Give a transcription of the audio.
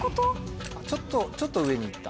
ちょっとちょっと上にいった。